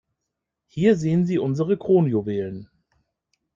Hier sehen Sie unsere Kronjuwelen.